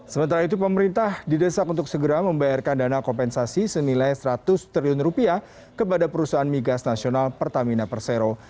sementara itu pemerintah didesak untuk segera membayarkan dana kompensasi senilai seratus triliun rupiah kepada perusahaan migas nasional pertamina persero